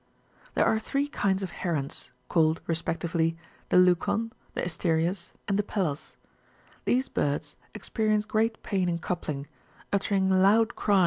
There are three kinds of herons, called, respectively, the leucon,^^ the asterias,^" and the pellos. ^^ These birds ex perience great pain in coupling ; uttering loud cries, the males ^ Or " wind" eggs.